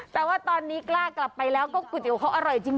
แต่ว่าตอนนี้กล้ากลับไปแล้วก็ก๋วยเตี๋ยวเขาอร่อยจริง